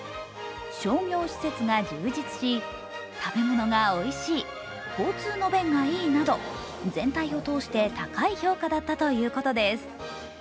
商業施設が充実し、食べ物がおいしい交通の便がいいなど、全体を通して高い評価だったということです。